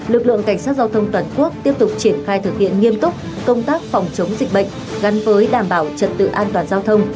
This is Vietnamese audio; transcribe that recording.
lực lượng cảnh sát giao thông toàn quốc tiếp tục triển khai thực hiện nghiêm túc công tác phòng chống dịch bệnh gắn với đảm bảo trật tự an toàn giao thông